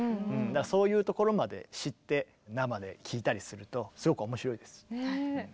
そういうところまで知って生で聴いたりするとすごく面白いです。